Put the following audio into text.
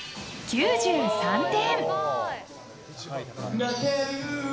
９３点！